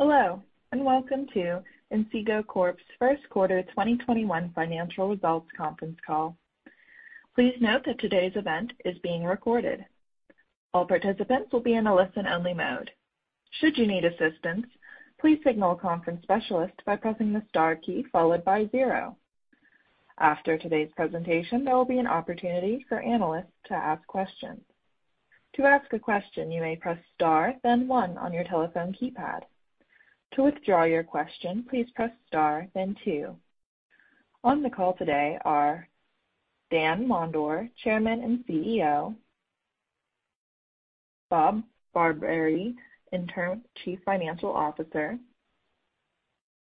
Hello, welcome to Inseego Corp's first quarter 2021 financial results conference call. Please note that today's event is being recorded. All participants will be in a listen only mode. Should you need assistance, please signal a conference specialist by pressing the star key followed by zero. After today's presentation, there will be an opportunity for analysts to ask questions. To ask a question, you may press star then one on your telephone keypad. To withdraw your question, please press star then two. On the call today are Dan Mondor, Chairman and CEO; Bob Barbieri, Interim Chief Financial Officer;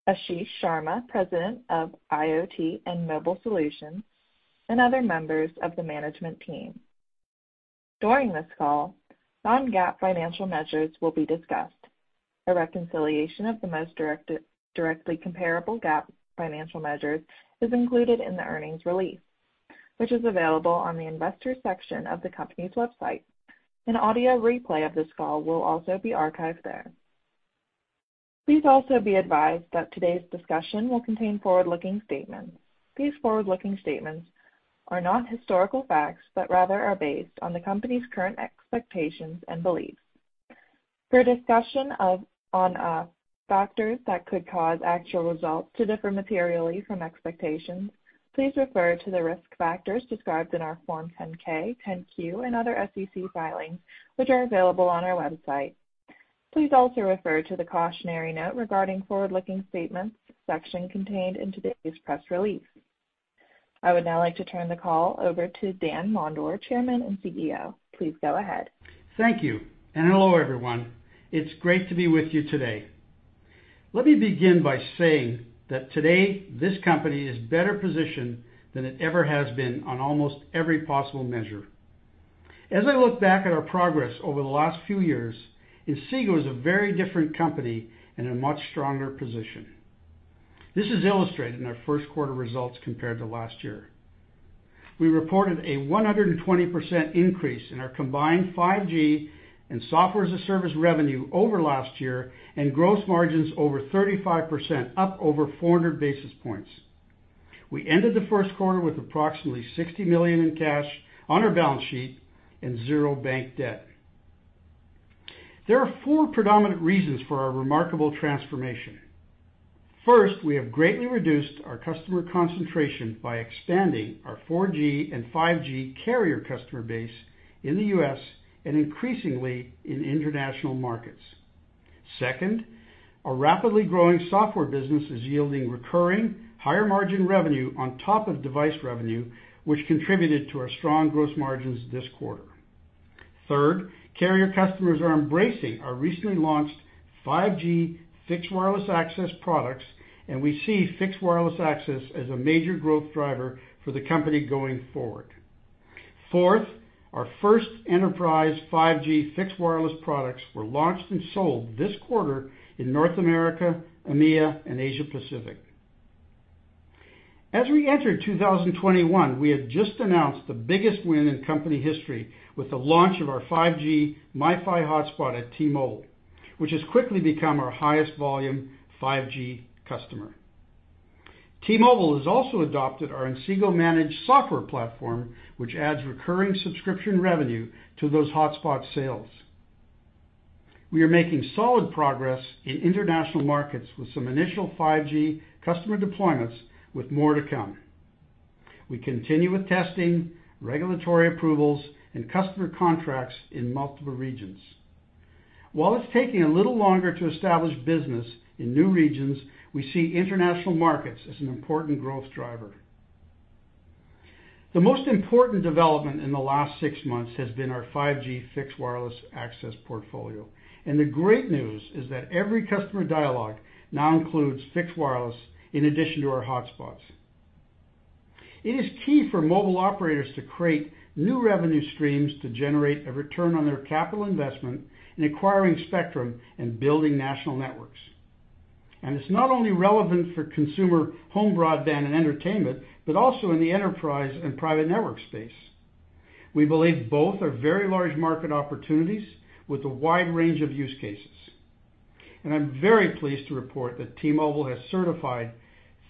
Ashish Sharma, President of IoT and Mobile Solutions, and other members of the management team. During this call, non-GAAP financial measures will be discussed. A reconciliation of the most directly comparable GAAP financial measures is included in the earnings release, which is available on the investors section of the company's website. An audio replay of this call will also be archived there. Please also be advised that today's discussion will contain forward-looking statements. These forward-looking statements are not historical facts, but rather are based on the company's current expectations and beliefs. For a discussion on factors that could cause actual results to differ materially from expectations, please refer to the risk factors described in our Form 10-K, 10-Q and other SEC filings, which are available on our website. Please also refer to the cautionary note regarding forward-looking statements section contained in today's press release. I would now like to turn the call over to Dan Mondor, Chairman and CEO. Please go ahead. Thank you. Hello, everyone. It's great to be with you today. Let me begin by saying that today this company is better positioned than it ever has been on almost every possible measure. As I look back at our progress over the last few years, Inseego is a very different company in a much stronger position. This is illustrated in our first quarter results compared to last year. We reported a 120% increase in our combined 5G and software as a service revenue over last year and gross margins over 35%, up over 400 basis points. We ended the first quarter with approximately $60 million in cash on our balance sheet and zero bank debt. There are four predominant reasons for our remarkable transformation. First, we have greatly reduced our customer concentration by expanding our 4G and 5G carrier customer base in the U.S. and increasingly in international markets. Second, our rapidly growing software business is yielding recurring higher margin revenue on top of device revenue, which contributed to our strong gross margins this quarter. Third, carrier customers are embracing our recently launched 5G fixed wireless access products, and we see fixed wireless access as a major growth driver for the company going forward. Fourth, our first enterprise 5G fixed wireless products were launched and sold this quarter in North America, EMEA, and Asia-Pacific. As we entered 2021, we had just announced the biggest win in company history with the launch of our 5G MiFi hotspot at T-Mobile, which has quickly become our highest volume 5G customer. T-Mobile has also adopted our Inseego Managed software platform, which adds recurring subscription revenue to those hotspot sales. We are making solid progress in international markets with some initial 5G customer deployments with more to come. We continue with testing, regulatory approvals, and customer contracts in multiple regions. While it's taking a little longer to establish business in new regions, we see international markets as an important growth driver. The most important development in the last six months has been our 5G fixed wireless access portfolio, and the great news is that every customer dialogue now includes fixed wireless in addition to our hotspots. It is key for mobile operators to create new revenue streams to generate a return on their capital investment in acquiring spectrum and building national networks. It's not only relevant for consumer home broadband and entertainment, but also in the enterprise and private network space. We believe both are very large market opportunities with a wide range of use cases. I'm very pleased to report that T-Mobile has certified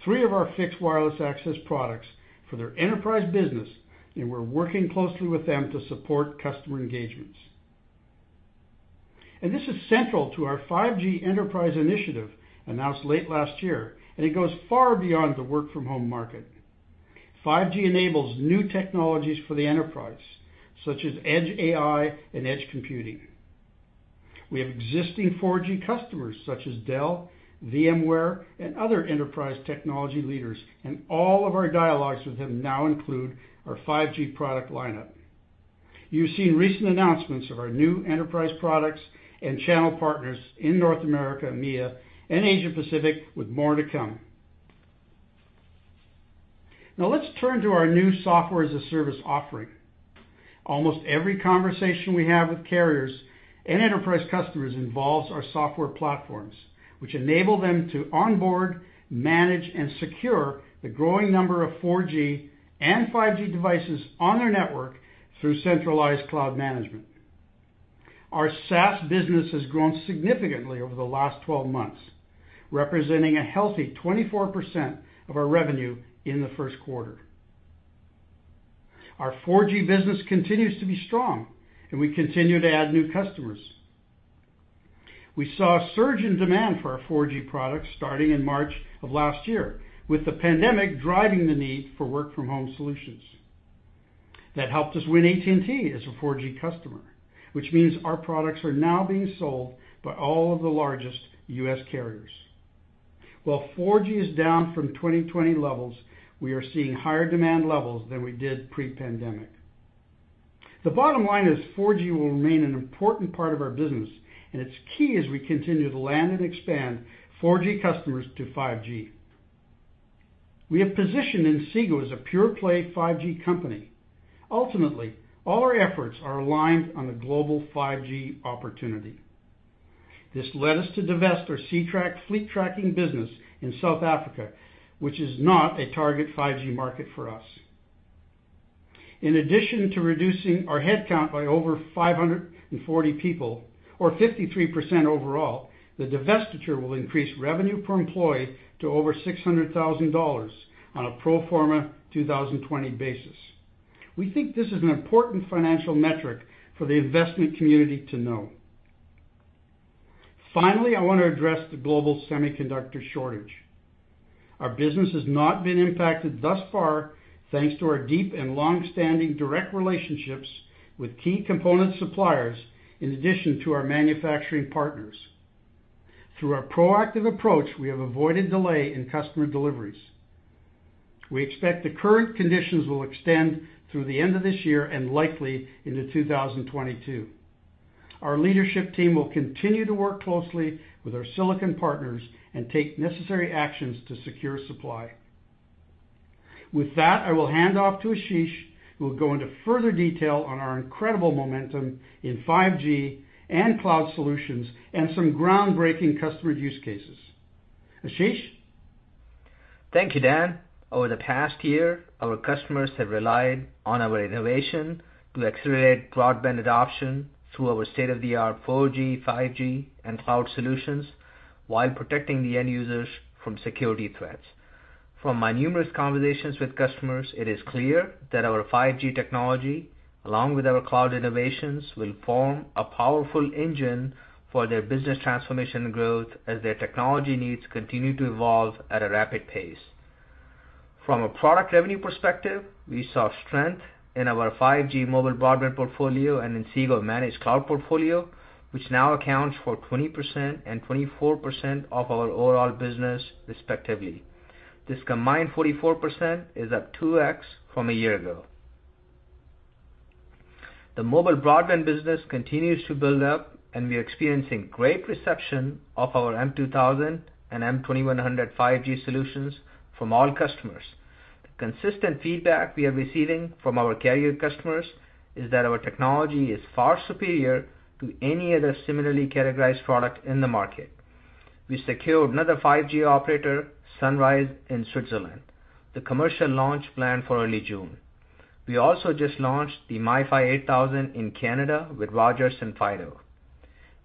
three of our fixed wireless access products for their enterprise business, and we're working closely with them to support customer engagements. This is central to our 5G enterprise initiative announced late last year, and it goes far beyond the work from home market. 5G enables new technologies for the enterprise, such as edge AI and edge computing. We have existing 4G customers such as Dell, VMware, and other enterprise technology leaders, and all of our dialogues with them now include our 5G product lineup. You've seen recent announcements of our new enterprise products and channel partners in North America, EMEA, and Asia-Pacific with more to come. Now let's turn to our new Software as a Service offering. Almost every conversation we have with carriers and enterprise customers involves our software platforms, which enable them to onboard, manage, and secure the growing number of 4G and 5G devices on their network through centralized cloud management. Our SaaS business has grown significantly over the last 12 months, representing a healthy 24% of our revenue in the first quarter. Our 4G business continues to be strong and we continue to add new customers. We saw a surge in demand for our 4G products starting in March of last year, with the pandemic driving the need for work from home solutions. That helped us win AT&T as a 4G customer, which means our products are now being sold by all of the largest U.S. carriers. While 4G is down from 2020 levels, we are seeing higher demand levels than we did pre-pandemic. The bottom line is 4G will remain an important part of our business, and it's key as we continue to land and expand 4G customers to 5G. We have positioned Inseego as a pure play 5G company. All our efforts are aligned on the global 5G opportunity. This led us to divest our Ctrack fleet tracking business in South Africa, which is not a target 5G market for us. In addition to reducing our headcount by over 540 people, or 53% overall, the divestiture will increase revenue per employee to over $600,000 on a pro forma 2020 basis. We think this is an important financial metric for the investment community to know. I want to address the global semiconductor shortage. Our business has not been impacted thus far, thanks to our deep and long-standing direct relationships with key component suppliers, in addition to our manufacturing partners. Through our proactive approach, we have avoided delay in customer deliveries. We expect the current conditions will extend through the end of this year and likely into 2022. Our leadership team will continue to work closely with our silicon partners and take necessary actions to secure supply. With that, I will hand off to Ashish, who will go into further detail on our incredible momentum in 5G and cloud solutions and some groundbreaking customer use cases. Ashish? Thank you, Dan. Over the past year, our customers have relied on our innovation to accelerate broadband adoption through our state-of-the-art 4G, 5G, and cloud solutions while protecting the end users from security threats. From my numerous conversations with customers, it is clear that our 5G technology, along with our cloud innovations, will form a powerful engine for their business transformation growth as their technology needs continue to evolve at a rapid pace. From a product revenue perspective, we saw strength in our 5G mobile broadband portfolio and Inseego Managed Cloud portfolio, which now accounts for 20% and 24% of our overall business, respectively. This combined 44% is up 2x from a year ago. The mobile broadband business continues to build up, and we're experiencing great reception of our M2000 and M2100 5G solutions from all customers. The consistent feedback we are receiving from our carrier customers is that our technology is far superior to any other similarly categorized product in the market. We secured another 5G operator, Sunrise in Switzerland, the commercial launch planned for early June. We also just launched the MiFi 8000 in Canada with Rogers and Fido.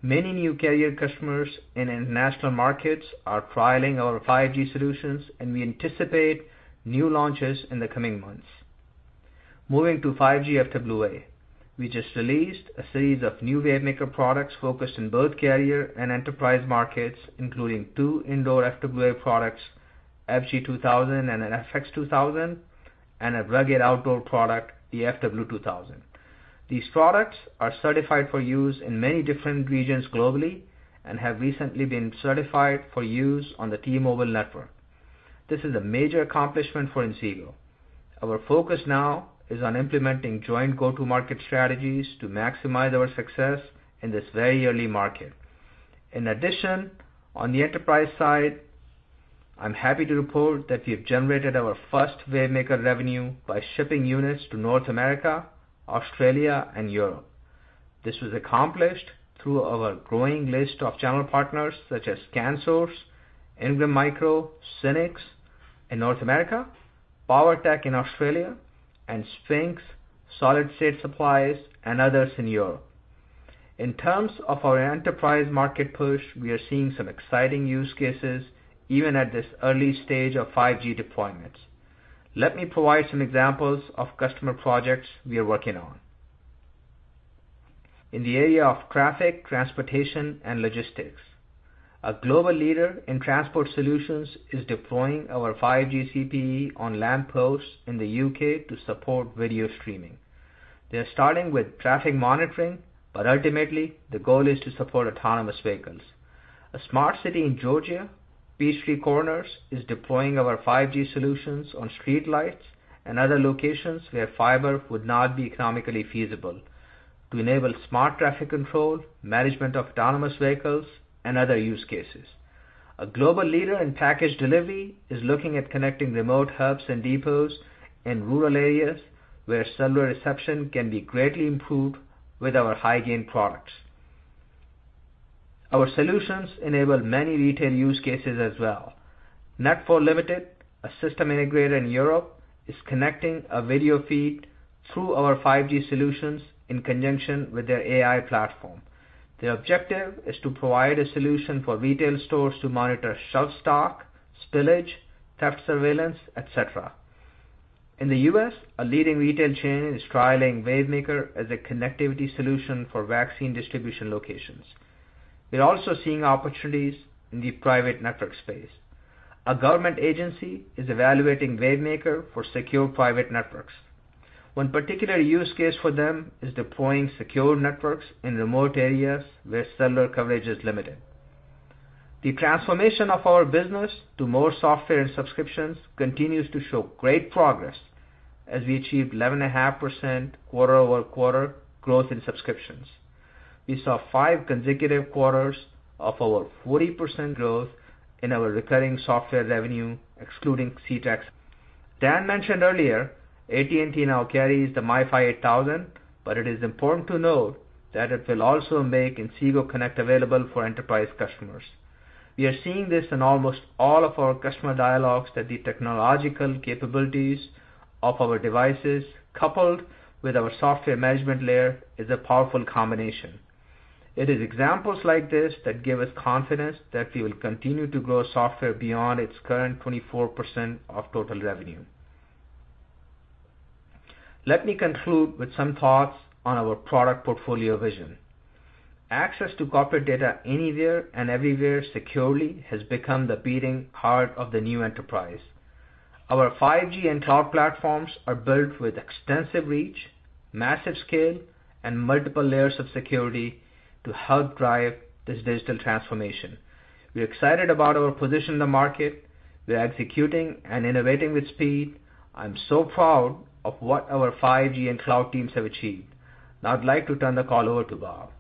Many new carrier customers in international markets are trialing our 5G solutions. We anticipate new launches in the coming months. Moving to 5G FWA, we just released a series of new Wavemaker products focused in both carrier and enterprise markets, including two indoor FWA products, FG2000 and an FX2000, and a rugged outdoor product, the FW2000. These products are certified for use in many different regions globally and have recently been certified for use on the T-Mobile network. This is a major accomplishment for Inseego. Our focus now is on implementing joint go-to-market strategies to maximize our success in this very early market. In addition, on the enterprise side, I'm happy to report that we have generated our first Wavemaker revenue by shipping units to North America, Australia, and Europe. This was accomplished through our growing list of channel partners such as ScanSource, Ingram Micro, SYNNEX in North America, Powertec in Australia, and Sphinx, Solid State Supplies, and others in Europe. In terms of our enterprise market push, we are seeing some exciting use cases even at this early stage of 5G deployments. Let me provide some examples of customer projects we are working on. In the area of traffic, transportation, and logistics, a global leader in transport solutions is deploying our 5G CPE on lampposts in the U.K. to support video streaming. They are starting with traffic monitoring, but ultimately, the goal is to support autonomous vehicles. A smart city in Georgia, Peachtree Corners, is deploying our 5G solutions on streetlights and other locations where fiber would not be economically feasible to enable smart traffic control, management of autonomous vehicles, and other use cases. A global leader in package delivery is looking at connecting remote hubs and depots in rural areas where cellular reception can be greatly improved with our high-gain products. Our solutions enable many retail use cases as well. Net4 Limited, a system integrator in Europe, is connecting a video feed through our 5G solutions in conjunction with their AI platform. The objective is to provide a solution for retail stores to monitor shelf stock, spillage, theft surveillance, etc. In the U.S., a leading retail chain is trialing Wavemaker as a connectivity solution for vaccine distribution locations. We're also seeing opportunities in the private network space. A government agency is evaluating Wavemaker for secure private networks. One particular use case for them is deploying secure networks in remote areas where cellular coverage is limited. The transformation of our business to more software and subscriptions continues to show great progress as we achieved 11.5% quarter-over-quarter growth in subscriptions. We saw five consecutive quarters of over 40% growth in our recurring software revenue, excluding Ctrack. Dan mentioned earlier, AT&T now carries the MiFi 8000, but it is important to note that it will also make Inseego Connect available for enterprise customers. We are seeing this in almost all of our customer dialogues that the technological capabilities of our devices, coupled with our software management layer, is a powerful combination. It is examples like this that give us confidence that we will continue to grow software beyond its current 24% of total revenue. Let me conclude with some thoughts on our product portfolio vision. Access to corporate data anywhere and everywhere securely has become the beating heart of the new enterprise. Our 5G and cloud platforms are built with extensive reach, massive scale, and multiple layers of security to help drive this digital transformation. We're excited about our position in the market. We are executing and innovating with speed. I'm so proud of what our 5G and cloud teams have achieved. Now I'd like to turn the call over to Bob.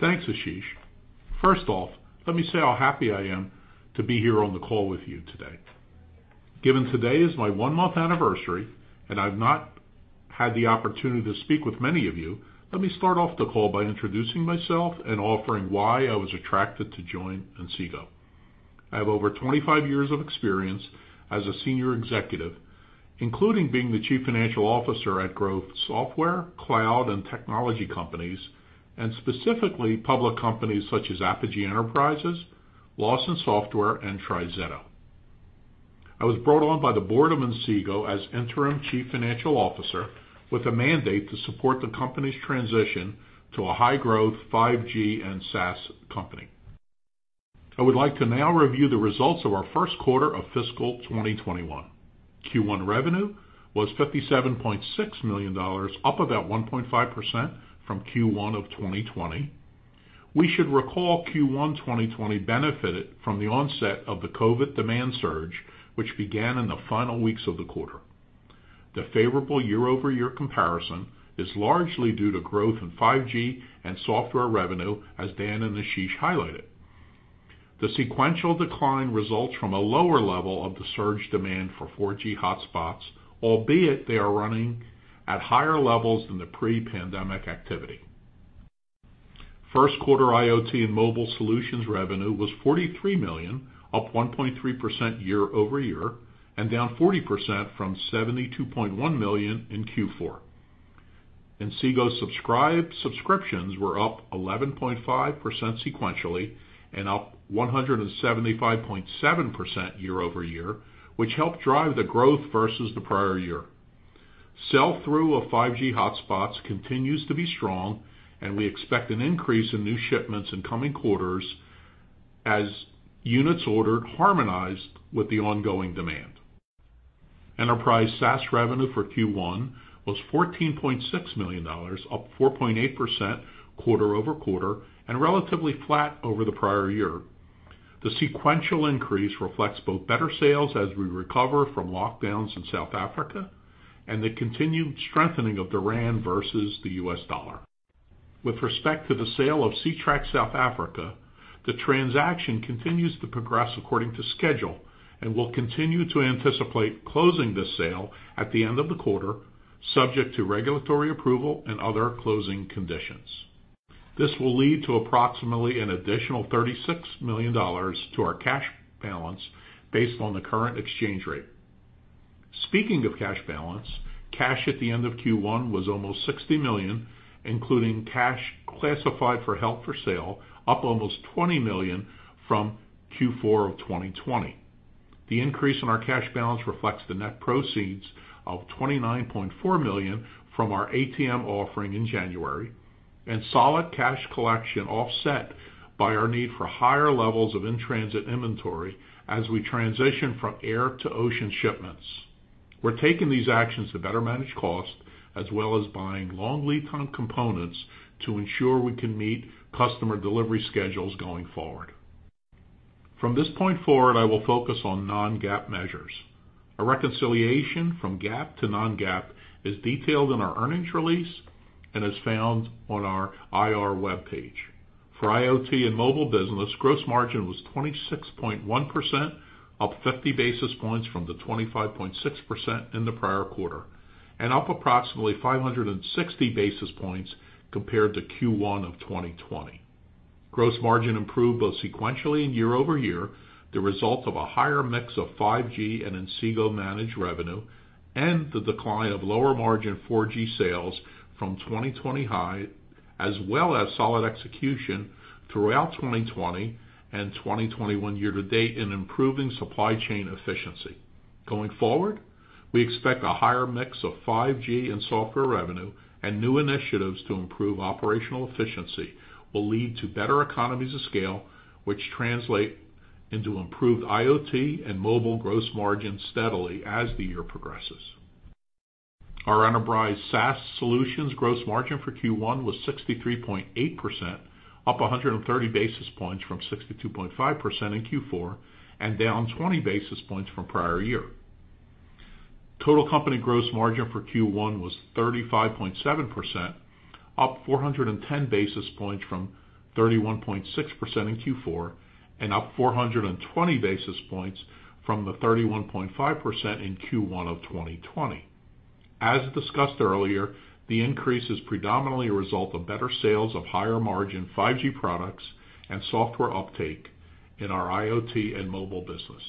Thanks, Ashish. First off, let me say how happy I am to be here on the call with you today. Given today is my one-month anniversary, I've not had the opportunity to speak with many of you, let me start off the call by introducing myself and offering why I was attracted to join Inseego. I have over 25 years of experience as a senior executive, including being the Chief Financial Officer at growth software, cloud, and technology companies, and specifically public companies such as Apogee Enterprises, Lawson Software, and TriZetto. I was brought on by the board of Inseego as Interim Chief Financial Officer with a mandate to support the company's transition to a high-growth 5G and SaaS company. I would like to now review the results of our first quarter of fiscal 2021. Q1 revenue was $57.6 million, up about 1.5% from Q1 of 2020. We should recall Q1 2020 benefited from the onset of the COVID demand surge, which began in the final weeks of the quarter. The favorable year-over-year comparison is largely due to growth in 5G and software revenue, as Dan and Ashish highlighted. The sequential decline results from a lower level of the surge demand for 4G hotspots, albeit they are running at higher levels than the pre-pandemic activity. First quarter IoT and mobile solutions revenue was $43 million, up 1.3% year-over-year, and down 40% from $72.1 million in Q4. Inseego subscriptions were up 11.5% sequentially and up 175.7% year-over-year, which helped drive the growth versus the prior year. Sell-through of 5G hotspots continues to be strong, and we expect an increase in new shipments in coming quarters as units ordered harmonized with the ongoing demand. Enterprise SaaS revenue for Q1 was $14.6 million, up 4.8% quarter-over-quarter and relatively flat over the prior year. The sequential increase reflects both better sales as we recover from lockdowns in South Africa and the continued strengthening of the rand versus the U.S. dollar. With respect to the sale of Ctrack South Africa, the transaction continues to progress according to schedule and will continue to anticipate closing this sale at the end of the quarter, subject to regulatory approval and other closing conditions. This will lead to approximately an additional $36 million to our cash balance based on the current exchange rate. Speaking of cash balance, cash at the end of Q1 was almost $60 million, including cash classified for held for sale, up almost $20 million from Q4 of 2020. The increase in our cash balance reflects the net proceeds of $29.4 million from our ATM offering in January and solid cash collection offset by our need for higher levels of in-transit inventory as we transition from air to ocean shipments. We're taking these actions to better manage cost, as well as buying long lead time components to ensure we can meet customer delivery schedules going forward. From this point forward, I will focus on non-GAAP measures. A reconciliation from GAAP to non-GAAP is detailed in our earnings release and is found on our IR webpage. For IoT and mobile business, gross margin was 26.1%, up 50 basis points from the 25.6% in the prior quarter, and up approximately 560 basis points compared to Q1 of 2020. Gross margin improved both sequentially and year-over-year, the result of a higher mix of 5G and Inseego Managed revenue and the decline of lower margin 4G sales from 2020 high, as well as solid execution throughout 2020 and 2021 year-to-date in improving supply chain efficiency. Going forward, we expect a higher mix of 5G and software revenue and new initiatives to improve operational efficiency will lead to better economies of scale, which translate into improved IoT and mobile gross margin steadily as the year progresses. Our enterprise SaaS solutions gross margin for Q1 was 63.8%, up 130 basis points from 62.5% in Q4, and down 20 basis points from prior year. Total company gross margin for Q1 was 35.7%, up 410 basis points from 31.6% in Q4, and up 420 basis points from the 31.5% in Q1 of 2020. As discussed earlier, the increase is predominantly a result of better sales of higher margin 5G products and software uptake in our IoT and mobile business.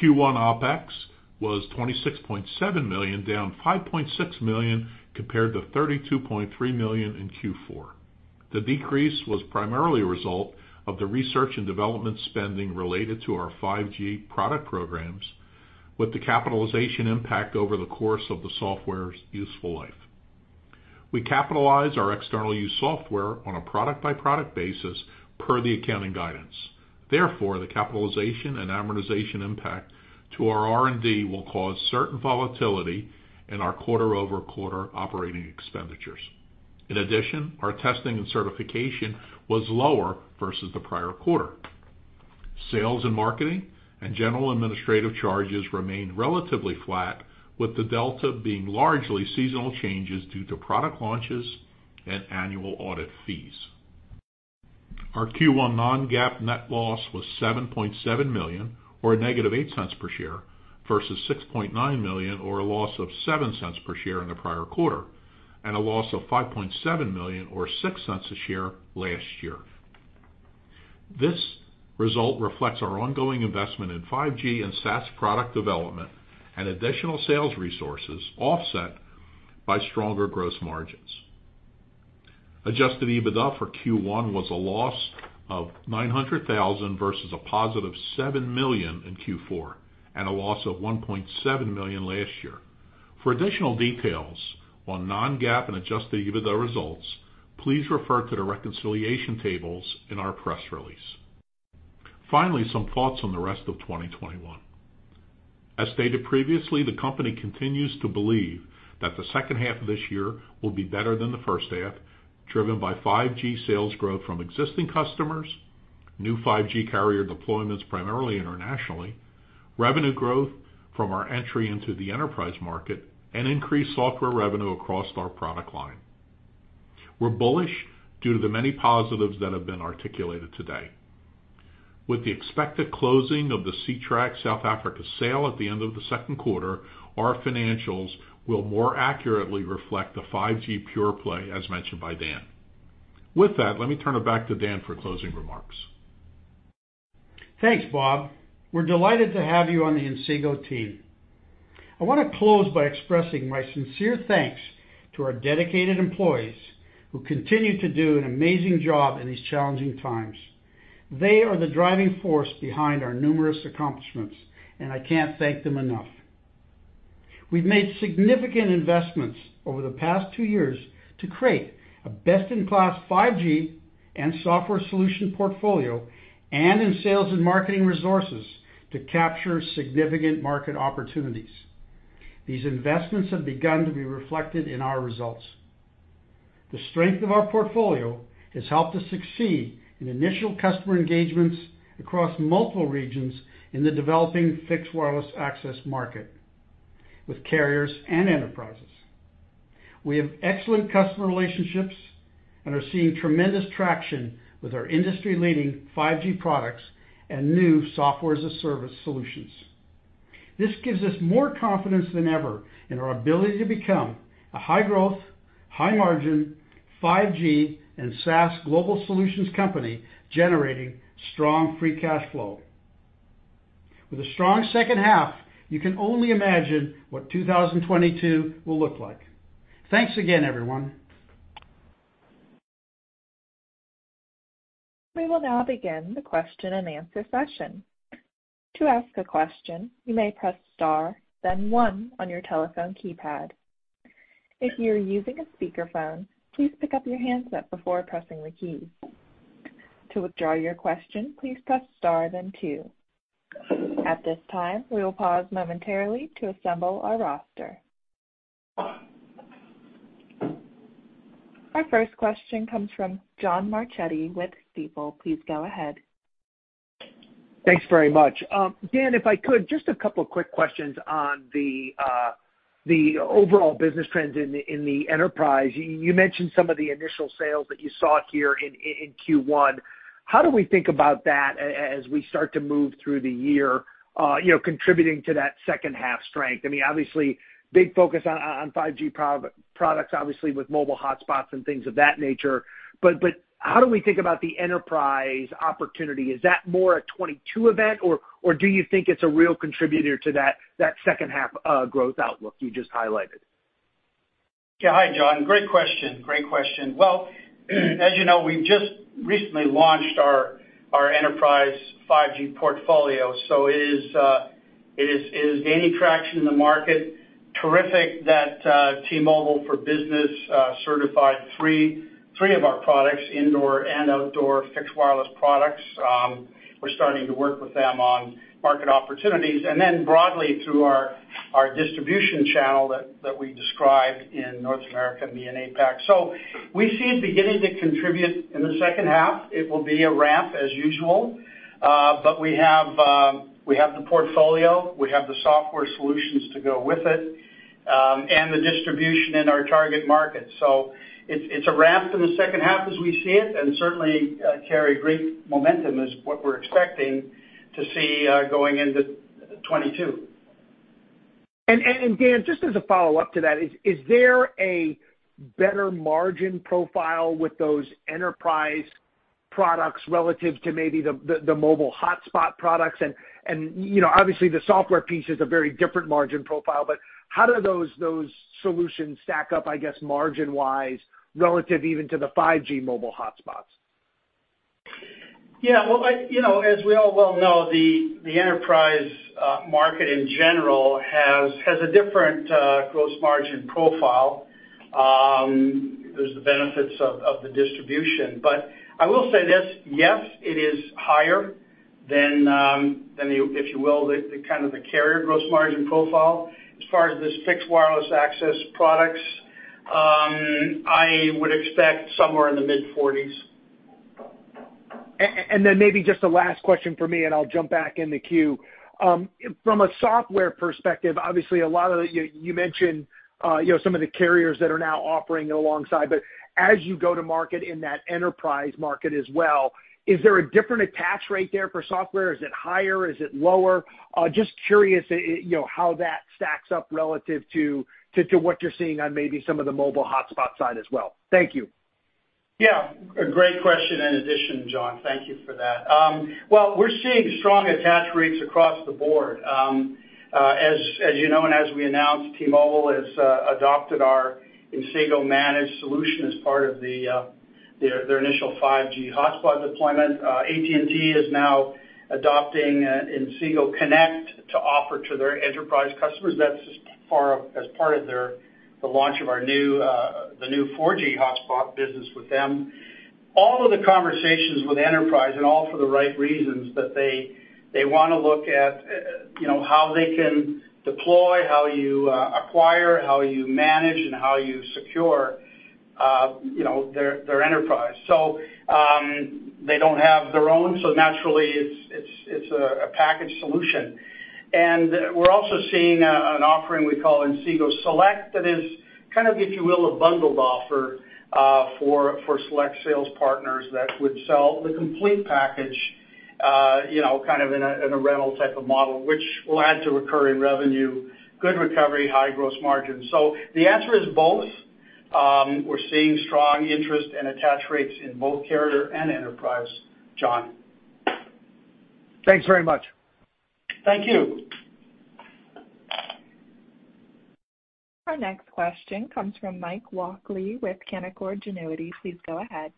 Q1 OpEx was $26.7 million, down $5.6 million compared to $32.3 million in Q4. The decrease was primarily a result of the research and development spending related to our 5G product programs with the capitalization impact over the course of the software's useful life. We capitalize our external use software on a product-by-product basis per the accounting guidance. Therefore, the capitalization and amortization impact to our R&D will cause certain volatility in our quarter-over-quarter operating expenditures. In addition, our testing and certification was lower versus the prior quarter. Sales and marketing and general administrative charges remained relatively flat, with the delta being largely seasonal changes due to product launches and annual audit fees. Our Q1 non-GAAP net loss was $7.7 million, or a -$0.08 per share, versus $6.9 million or a loss of $0.07 per share in the prior quarter, and a loss of $5.7 million or $0.06 a share last year. This result reflects our ongoing investment in 5G and SaaS product development and additional sales resources offset by stronger gross margins. Adjusted EBITDA for Q1 was a loss of $900,000 versus a positive $7 million in Q4, and a loss of $1.7 million last year. For additional details on non-GAAP and adjusted EBITDA results, please refer to the reconciliation tables in our press release. Finally, some thoughts on the rest of 2021. As stated previously, the company continues to believe that the second half of this year will be better than the first half, driven by 5G sales growth from existing customers, new 5G carrier deployments primarily internationally, revenue growth from our entry into the enterprise market, and increased software revenue across our product line. We're bullish due to the many positives that have been articulated today. With the expected closing of the Ctrack South Africa sale at the end of the second quarter, our financials will more accurately reflect the 5G pure play, as mentioned by Dan. With that, let me turn it back to Dan for closing remarks. Thanks, Bob. We're delighted to have you on the Inseego team. I want to close by expressing my sincere thanks to our dedicated employees who continue to do an amazing job in these challenging times. They are the driving force behind our numerous accomplishments, and I can't thank them enough. We've made significant investments over the past two years to create a best-in-class 5G and software solution portfolio and in sales and marketing resources to capture significant market opportunities. These investments have begun to be reflected in our results. The strength of our portfolio has helped us succeed in initial customer engagements across multiple regions in the developing fixed wireless access market with carriers and enterprises. We have excellent customer relationships and are seeing tremendous traction with our industry-leading 5G products and new software as a service solutions. This gives us more confidence than ever in our ability to become a high-growth, high-margin, 5G and SaaS global solutions company generating strong free cash flow. With a strong second half, you can only imagine what 2022 will look like. Thanks again, everyone. We will now begin the question and answer session. To ask a question, you may press star then one on your telephone keypad. If you're using a speakerphone, please pick up your hands up before pressing the key. To withdraw your question, please press star then two. At this time, we'll pause momentarily to assemble our roster. Our first question comes from John Marchetti with Stifel. Please go ahead. Thanks very much. Dan, if I could, just a couple of quick questions on the overall business trends in the enterprise. You mentioned some of the initial sales that you saw here in Q1. How do we think about that as we start to move through the year, contributing to that second half strength? Obviously, big focus on 5G products, obviously, with mobile hotspots and things of that nature, but how do we think about the enterprise opportunity? Is that more a 2022 event, or do you think it's a real contributor to that second half growth outlook you just highlighted? Yeah. Hi, John. Great question. Well, as you know, we just recently launched our enterprise 5G portfolio. It is gaining traction in the market. Terrific that T-Mobile for Business certified three of our products, indoor and outdoor fixed wireless products. We're starting to work with them on market opportunities and then broadly through our distribution channel that we described in North America via APAC. We see it beginning to contribute in the second half. It will be a ramp as usual. We have the portfolio, we have the software solutions to go with it, and the distribution in our target market. It's a ramp in the second half as we see it and certainly carry great momentum is what we're expecting to see going into 2022. Dan, just as a follow-up to that, is there a better margin profile with those enterprise products relative to maybe the mobile hotspot products? Obviously the software piece is a very different margin profile, how do those solutions stack up, I guess, margin-wise, relative even to the 5G mobile hotspots? Yeah. Well, as we all well know, the enterprise market in general has a different gross margin profile. There's the benefits of the distribution. I will say this, yes, it is higher than, if you will, the carrier gross margin profile. As far as this fixed wireless access products, I would expect somewhere in the mid-40s. Then maybe just a last question from me, and I'll jump back in the queue. From a software perspective, obviously, you mentioned some of the carriers that are now offering alongside, but as you go to market in that enterprise market as well, is there a different attach rate there for software? Is it higher? Is it lower? Just curious how that stacks up relative to what you're seeing on maybe some of the mobile hotspot side as well. Thank you. A great question in addition, John. Thank you for that. Well, we're seeing strong attach rates across the board. As you know and as we announced, T-Mobile has adopted our Inseego Managed solution as part of their initial 5G hotspot deployment. AT&T is now adopting Inseego Connect to offer to their enterprise customers. That's as part of the launch of the new 4G hotspot business with them. All of the conversations with enterprise, and all for the right reasons, but they want to look at how they can deploy, how you acquire, how you manage, and how you secure their enterprise. They don't have their own, so naturally it's a packaged solution. We're also seeing an offering we call Inseego Select that is kind of, if you will, a bundled offer for select sales partners that would sell the complete package in a rental type of model, which will add to recurring revenue, good recovery, high gross margin. The answer is both. We're seeing strong interest and attach rates in both carrier and enterprise, John. Thanks very much. Thank you. Our next question comes from Mike Walkley with Canaccord Genuity. Please go ahead.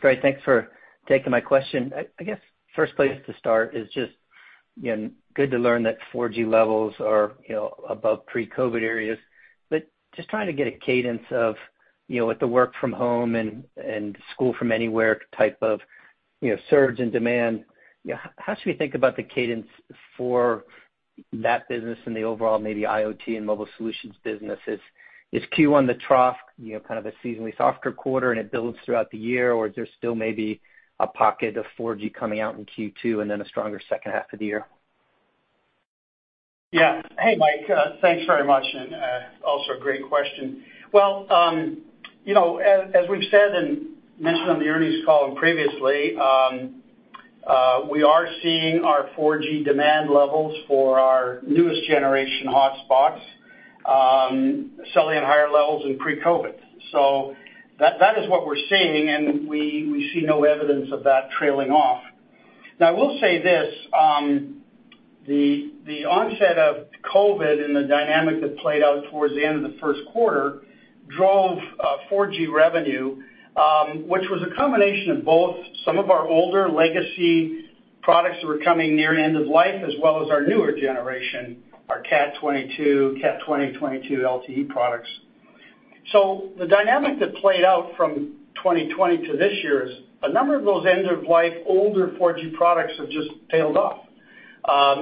Great. Thanks for taking my question. I guess first place to start is just good to learn that 4G levels are above pre-COVID areas, but just trying to get a cadence of with the work from home and school from anywhere type of surge in demand, how should we think about the cadence for that business and the overall maybe IoT and mobile solutions businesses? Is Q1 the trough, kind of a seasonally softer quarter and it builds throughout the year, or is there still maybe a pocket of 4G coming out in Q2 and then a stronger second half of the year? Hey, Mike. Thanks very much. A great question. As we've said and mentioned on the earnings call previously, we are seeing our 4G demand levels for our newest generation hotspots selling at higher levels than pre-COVID. That is what we're seeing. We see no evidence of that trailing off. I will say this, the onset of COVID and the dynamic that played out towards the end of the first quarter drove 4G revenue, which was a combination of both some of our older legacy products that were coming near end of life, as well as our newer generation, our Cat 22, Cat 20 LTE products. The dynamic that played out from 2020 to this year is a number of those end-of-life older 4G products have just tailed off.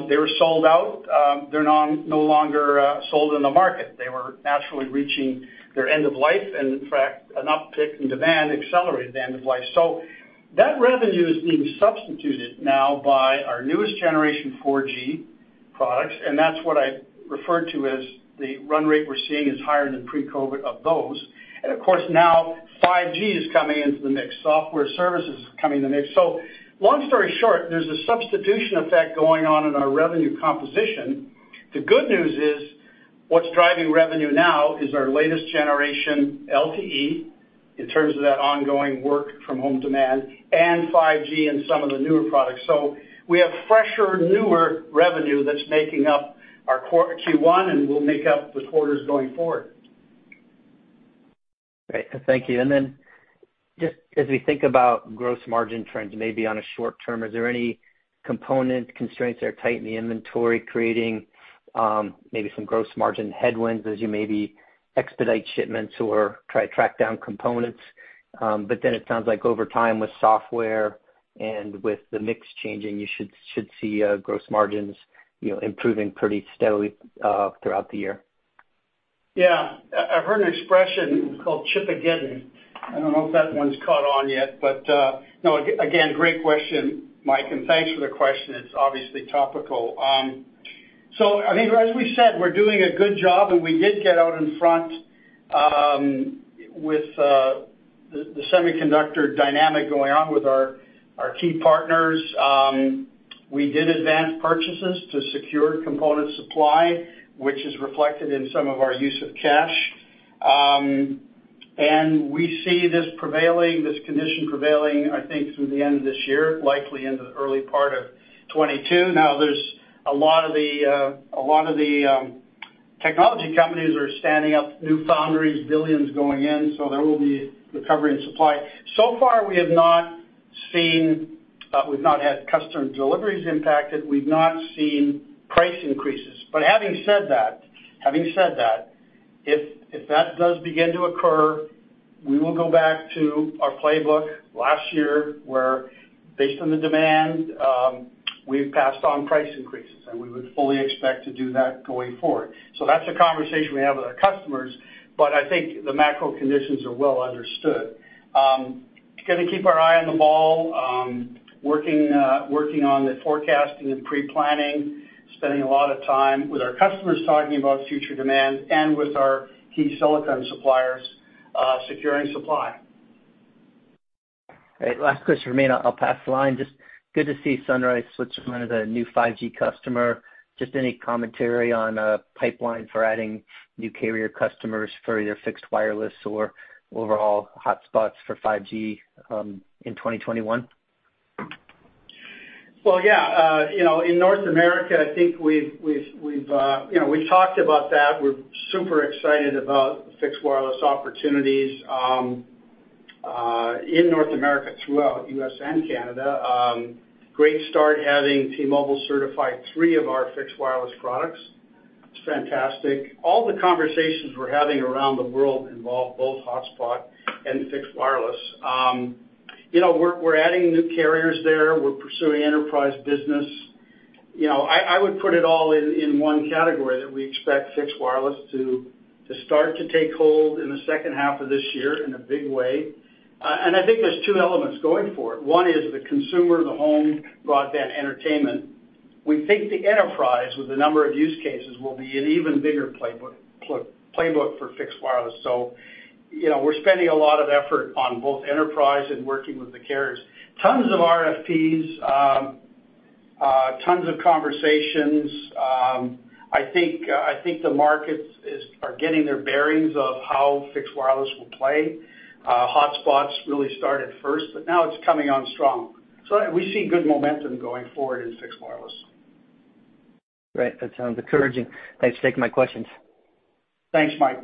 They were sold out. They're no longer sold in the market. They were naturally reaching their end of life, and in fact, an uptick in demand accelerated the end of life. That revenue is being substituted now by our newest generation 4G products, and that's what I referred to as the run rate we're seeing is higher than pre-COVID of those. Of course, now 5G is coming into the mix, software services is coming into the mix. Long story short, there's a substitution effect going on in our revenue composition. The good news is what's driving revenue now is our latest generation LTE, in terms of that ongoing work from home demand, and 5G and some of the newer products. We have fresher, newer revenue that's making up our Q1, and will make up the quarters going forward. Great. Thank you. Just as we think about gross margin trends, maybe on a short-term, is there any component constraints that are tight in the inventory creating maybe some gross margin headwinds as you maybe expedite shipments or try to track down components? It sounds like over time with software and with the mix changing, you should see gross margins improving pretty steadily throughout the year. Yeah. I've heard an expression called Chipageddon. I don't know if that one's caught on yet. No, again, great question, Mike, and thanks for the question. It's obviously topical. As we said, we're doing a good job, and we did get out in front with the semiconductor dynamic going on with our key partners. We did advance purchases to secure component supply, which is reflected in some of our use of cash. We see this prevailing, this condition prevailing, I think through the end of this year, likely into the early part of 2022. Now, there's a lot of the technology companies are standing up new foundries, billions going in, so there will be recovery in supply. So far, we've not had customer deliveries impacted. We've not seen price increases. Having said that, if that does begin to occur, we will go back to our playbook last year, where based on the demand, we've passed on price increases, and we would fully expect to do that going forward. That's a conversation we have with our customers, but I think the macro conditions are well understood. We are going to keep our eye on the ball, working on the forecasting and pre-planning, spending a lot of time with our customers talking about future demand and with our key silicon suppliers, securing supply. Great. Last question for me, and I'll pass the line. Just good to see Sunrise Switzerland as a new 5G customer. Just any commentary on a pipeline for adding new carrier customers for either fixed wireless or overall hotspots for 5G in 2021? Well, yeah. In North America, I think we've talked about that. We're super excited about fixed wireless opportunities in North America, throughout U.S. and Canada. Great start having T-Mobile certify three of our fixed wireless products. It's fantastic. All the conversations we're having around the world involve both hotspot and fixed wireless. We're adding new carriers there. We're pursuing enterprise business. I would put it all in one category that we expect fixed wireless to start to take hold in the second half of this year in a big way. I think there's two elements going for it. One is the consumer, the home, broadband entertainment. We think the enterprise, with the number of use cases, will be an even bigger playbook for fixed wireless. We're spending a lot of effort on both enterprise and working with the carriers. Tons of RFPs, tons of conversations. I think the markets are getting their bearings of how fixed wireless will play. Hotspots really started first, but now it's coming on strong. We see good momentum going forward in fixed wireless. Great. That sounds encouraging. Thanks for taking my questions. Thanks, Mike.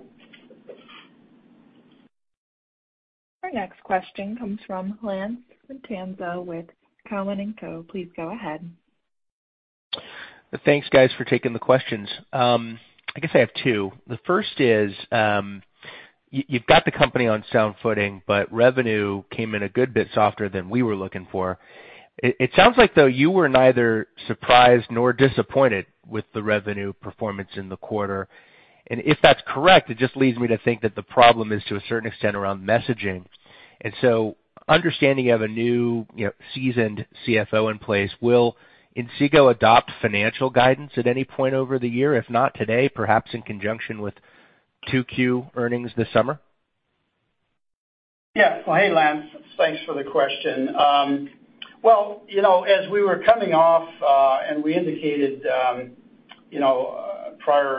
Our next question comes from Lance Vitanza with Cowen & Co. Please go ahead. Thanks, guys, for taking the questions. I guess I have two. The first is, you've got the company on sound footing, but revenue came in a good bit softer than we were looking for. It sounds like, though, you were neither surprised nor disappointed with the revenue performance in the quarter. If that's correct, it just leads me to think that the problem is to a certain extent around messaging. Understanding you have a new seasoned CFO in place, will Inseego adopt financial guidance at any point over the year? If not today, perhaps in conjunction with 2Q earnings this summer? Yeah. Well, hey, Lance. Thanks for the question. Well, as we were coming off, and we indicated, prior to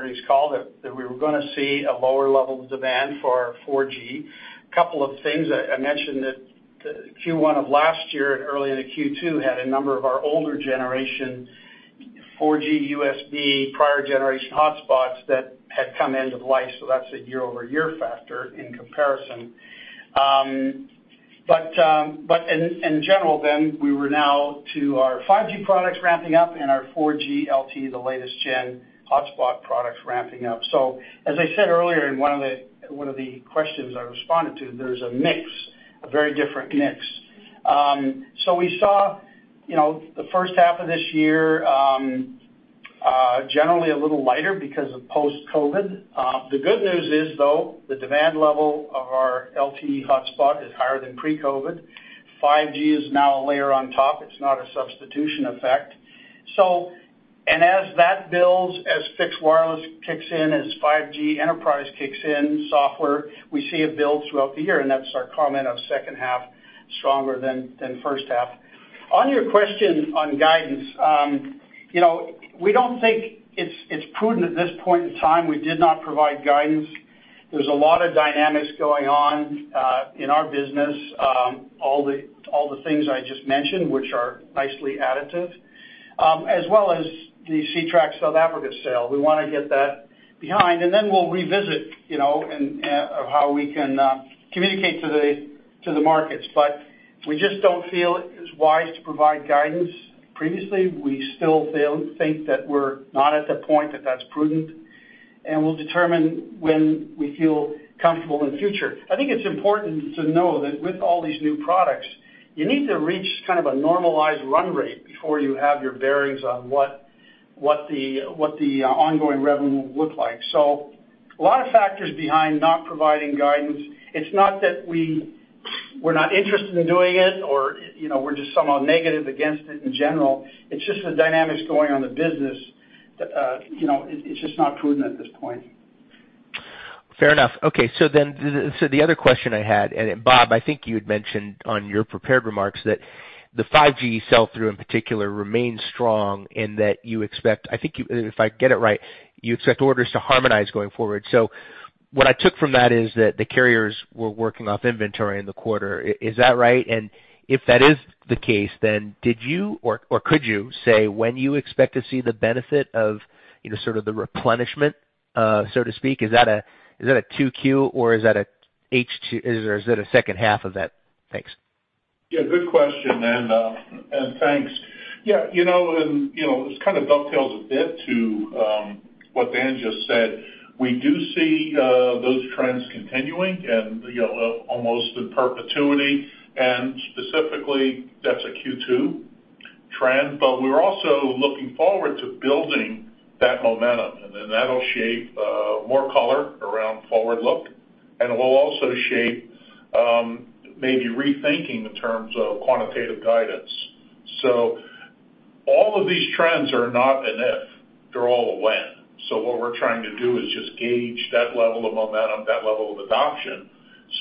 this call that we were going to see a lower level of demand for our 4G. Couple of things, I mentioned that Q1 of last year and early into Q2 had a number of our older generation 4G USB prior generation hotspots that had come end of life. That's a year-over-year factor in comparison. In general then, we were now to our 5G products ramping up and our 4G LTE, the latest gen hotspot products ramping up. As I said earlier in one of the questions I responded to, there's a mix. A very different mix. We saw the first half of this year, generally a little lighter because of post-COVID. The good news is, though, the demand level of our LTE hotspot is higher than pre-COVID. 5G is now a layer on top. It's not a substitution effect. As that builds, as fixed wireless kicks in, as 5G Enterprise kicks in, software, we see it build throughout the year, and that's our comment of second half stronger than first half. On your question on guidance, we don't think it's prudent at this point in time. We did not provide guidance. There's a lot of dynamics going on in our business. All the things I just mentioned, which are nicely additive, as well as the Ctrack South Africa sale. We want to get that behind, then we'll revisit of how we can communicate to the markets. We just don't feel it is wise to provide guidance previously. We still think that we're not at the point that that's prudent, we'll determine when we feel comfortable in the future. I think it's important to know that with all these new products, you need to reach a normalized run rate before you have your bearings on what the ongoing revenue will look like. A lot of factors behind not providing guidance. It's not that we're not interested in doing it or we're just somehow negative against it in general. It's just the dynamics going on in the business. It's just not prudent at this point. Fair enough. Okay. The other question I had, and Bob, I think you had mentioned on your prepared remarks that the 5G sell-through in particular remains strong and that you expect, if I get it right, you expect orders to harmonize going forward. What I took from that is that the carriers were working off inventory in the quarter. Is that right? If that is the case, did you or could you say when you expect to see the benefit of the replenishment, so to speak? Is that a 2Q, or is it a second half event? Thanks. Good question, and thanks. This kind of dovetails a bit to what Dan just said. We do see those trends continuing, and almost in perpetuity, and specifically, that's a Q2 trend, but we're also looking forward to building that momentum, and then that'll shape more color around forward look, and it will also shape maybe rethinking the terms of quantitative guidance. All of these trends are not an if, they're all a when. What we're trying to do is just gauge that level of momentum, that level of adoption,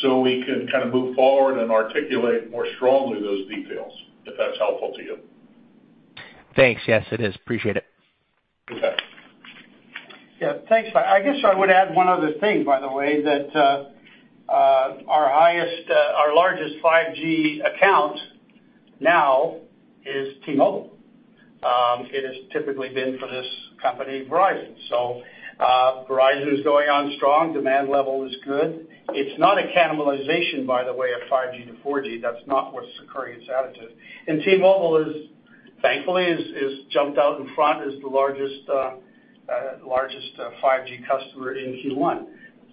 so we can move forward and articulate more strongly those details, if that's helpful to you. Thanks. Yes, it is. Appreciate it. Okay. Yeah. Thanks. I guess I would add one other thing, by the way, that our largest 5G account now is T-Mobile. It has typically been for this company, Verizon. Verizon is going on strong. Demand level is good. It's not a cannibalization, by the way, of 5G to 4G. That's not what's occurring. It's additive. T-Mobile, thankfully, has jumped out in front as the largest 5G customer in Q1,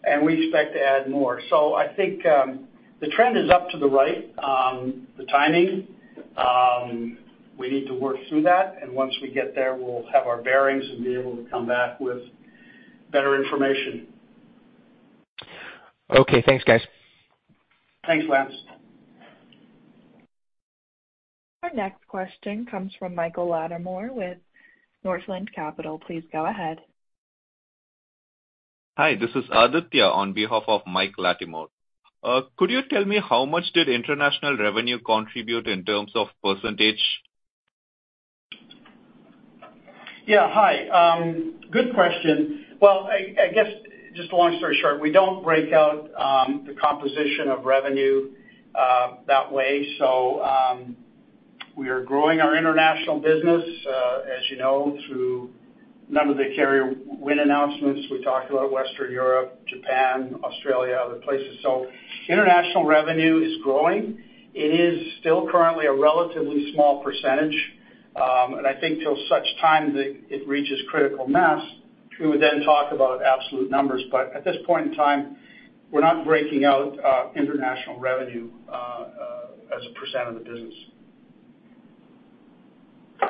and we expect to add more. I think the trend is up to the right. The timing, we need to work through that, and once we get there, we'll have our bearings and be able to come back with better information. Okay. Thanks, guys. Thanks, Lance. Our next question comes from Michael Latimore with Northland Capital. Please go ahead. Hi, this is Aditya on behalf of Mike Latimore. Could you tell me how much did international revenue contribute in terms of percentage? Yeah. Hi. Good question. I guess just long story short, we don't break out the composition of revenue that way. We are growing our international business, as you know, through a number of the carrier win announcements. We talked about Western Europe, Japan, Australia, other places. International revenue is growing. It is still currently a relatively small percentage, and I think till such time that it reaches critical mass, we would then talk about absolute numbers. At this point in time, we're not breaking out international revenue as a percent of the business.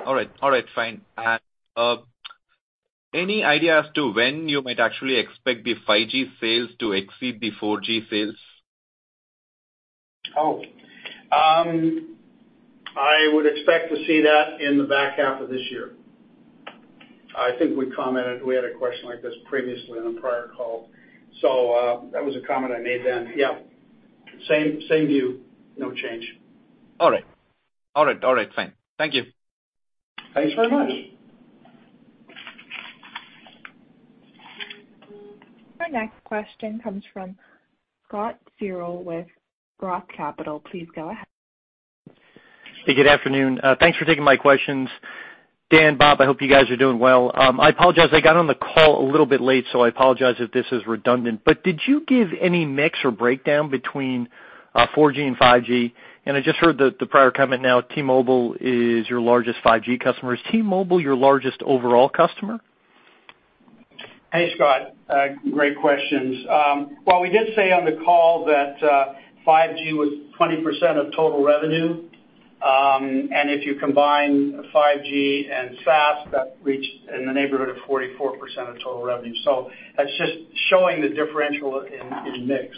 All right, fine. Any idea as to when you might actually expect the 5G sales to exceed the 4G sales? I would expect to see that in the back half of this year. I think we had a question like this previously on a prior call. That was a comment I made then. Yeah. Same view, no change. All right. Fine. Thank you. Thanks very much. Our next question comes from Scott Searles with ROTH Capital. Please go ahead. Hey, good afternoon. Thanks for taking my questions. Dan, Bob, I hope you guys are doing well. I apologize, I got on the call a little bit late. I apologize if this is redundant, did you give any mix or breakdown between 4G and 5G? I just heard the prior comment now, T-Mobile is your largest 5G customer. Is T-Mobile your largest overall customer? Hey, Scott. Great questions. Well, we did say on the call that 5G was 20% of total revenue. If you combine 5G and SaaS, that reached in the neighborhood of 44% of total revenue. That's just showing the differential in mix.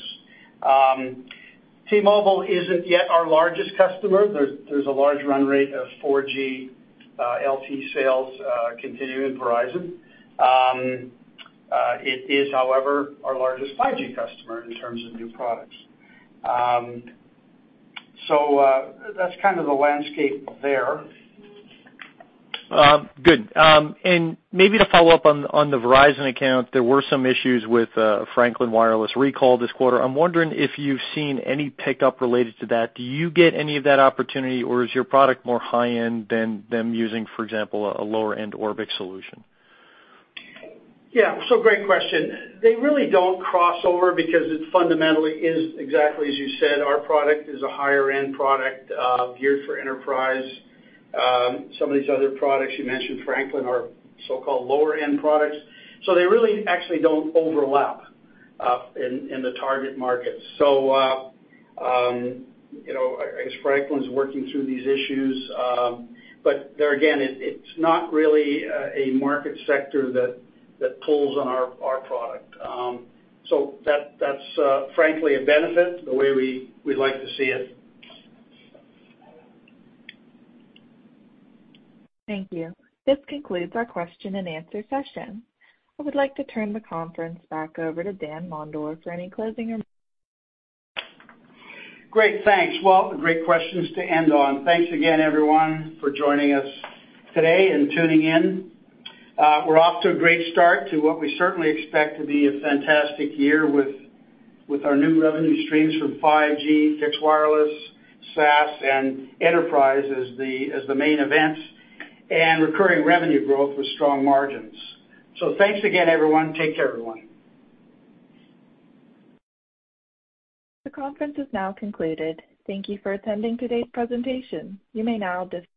T-Mobile isn't yet our largest customer. There's a large run rate of 4G LTE sales continuing at Verizon. It is, however, our largest 5G customer in terms of new products. That's kind of the landscape there. Good. Maybe to follow up on the Verizon account, there were some issues with Franklin Wireless recall this quarter. I'm wondering if you've seen any pickup related to that. Do you get any of that opportunity, or is your product more high-end than them using, for example, a lower-end Orbic solution? Great question. They really don't cross over because it fundamentally is exactly as you said, our product is a higher-end product geared for enterprise. Some of these other products you mentioned, Franklin, are so-called lower-end products, they really actually don't overlap in the target markets. I guess Franklin's working through these issues. There again, it's not really a market sector that pulls on our product. That's frankly a benefit, the way we like to see it. Thank you. This concludes our question and answer session. I would like to turn the conference back over to Dan Mondor for any closing remarks. Great, thanks. Well, great questions to end on. Thanks again, everyone, for joining us today and tuning in. We're off to a great start to what we certainly expect to be a fantastic year with our new revenue streams from 5G, fixed wireless, SaaS, and enterprise as the main events, and recurring revenue growth with strong margins. Thanks again, everyone. Take care, everyone. The conference is now concluded. Thank you for attending today's presentation. You may now disconnect.